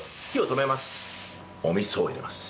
お味噌を入れます。